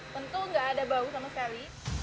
tentu nggak ada bau sama sekali